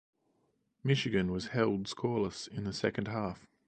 Michigan was held scoreless in the second half.